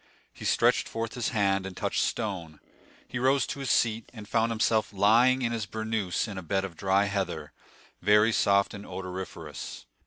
He stretched forth his hand, and touched stone; he rose to his seat, and found himself lying on his bournous in a bed of dry heather, very soft and odoriferous.